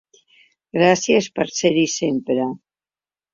Gràcies per ser-hi sempre.